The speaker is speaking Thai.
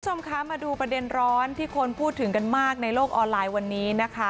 คุณผู้ชมคะมาดูประเด็นร้อนที่คนพูดถึงกันมากในโลกออนไลน์วันนี้นะคะ